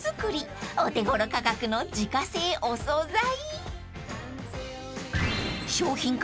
［お手頃価格の自家製お総菜］